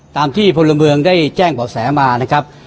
ตามที่พลเมืองได้แจ้งบ่อแสมานะครับ